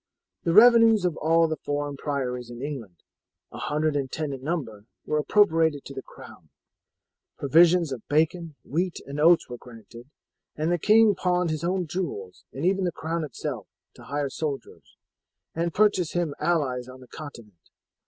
The revenues of all the foreign priories in England, a hundred and ten in number, were appropriated to the crown. Provisions of bacon, wheat, and oats were granted, and the king pawned his own jewels, and even the crown itself, to hire soldiers, and purchase him allies on the Continent.